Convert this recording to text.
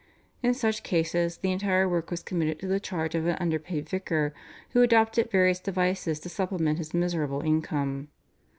In such cases the entire work was committed to the charge of an underpaid vicar who adopted various devices to supplement his miserable income.